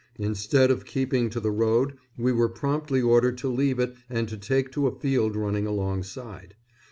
Instead of keeping to the road we were promptly ordered to leave it and to take to a field running alongside.